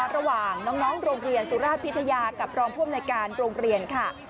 ระหว่างน้องโรงเรียนสุราชพิทยากับรองผู้อำนวยการโรงเรียนค่ะ